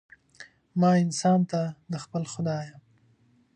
ما انسان ته، د خپل خدایه